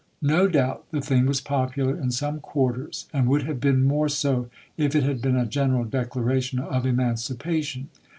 No doubt the thing was popular in some quarters, and would have been more so if it had been a general declaration of emancipation.